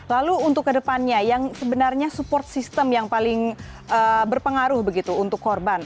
lalu untuk kedepannya yang sebenarnya support system yang paling berpengaruh begitu untuk korban